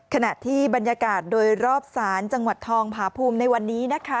ขณะที่บรรยากาศโดยรอบศาลจังหวัดทองผาภูมิในวันนี้นะคะ